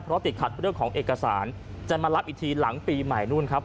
เพราะติดขัดเรื่องของเอกสารจะมารับอีกทีหลังปีใหม่นู่นครับ